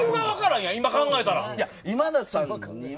今田さんには